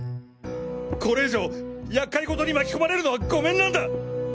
これ以上厄介事に巻き込まれるのはゴメンなんだ！